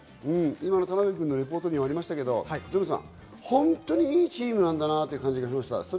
今の田辺君のリポートにもありましたが、ぞのさん、本当にいいチームなんだなという感じがしました。